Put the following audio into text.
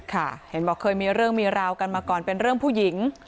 ค่ะเห็นบอกเคยมีเรื่องมีราวกันมาก่อนเป็นเรื่องผู้หญิง